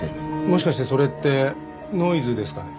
もしかしてそれってノイズですかね？